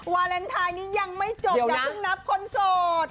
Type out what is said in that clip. วาเลนไทยนี้ยังไม่จบอย่าเพิ่งนับคนโสด